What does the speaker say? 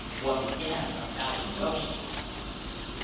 Once again, a thousand welcomes."